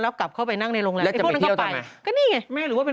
แล้วกลับเข้าไปนั่งในโรงแรมพวกนั้นเข้าไป